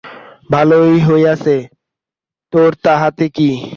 ভালোই হইয়াছে, তোর তাহাতে কী?